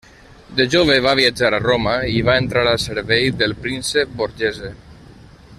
De jove va viatjar a Roma i va entrar al servei del príncep Borghese.